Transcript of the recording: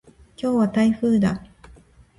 今日は台風だ。